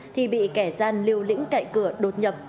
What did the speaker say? thì bị kẻ gian liều lĩnh cậy cửa đột nhập